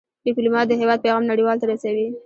ډيپلومات د هېواد پېغام نړیوالو ته رسوي.